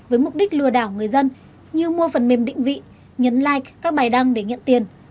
với mục đích lừa đảo người dân như mua phần mềm định vị nhấn like các bài đăng để nhận tiền